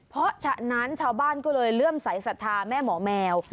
เพราะฉะนั้นชาวบ้านก็เลยเลื่อมสายศรัทธาแม่หมอแมว